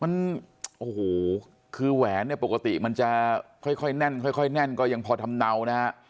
มันโอ้โหคือแหวนเนี่ยปกติมันจะค่อยแน่นค่อยแน่นก็ยังพอทำเนานะฮะ